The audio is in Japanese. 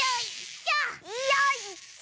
よいしょ！